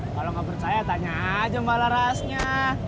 kalo gak percaya tanya aja mbak larasnya